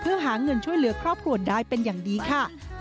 เพื่อหาเงินช่วยเหลือครอบครัวได้เป็นอย่างดีค่ะ